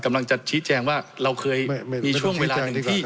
กำลังจะชี้แจงว่าเราเคยมีช่วงเวลาหนึ่งที่